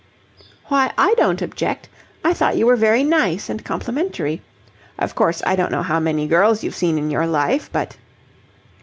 "Why, I didn't object. I thought you were very nice and complimentary. Of course, I don't know how many girls you've seen in your life, but..."